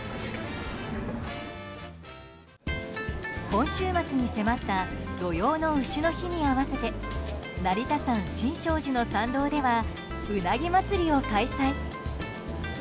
今週末に迫った土用の丑の日に合わせて成田山新勝寺の参道ではうなぎ祭りを開催。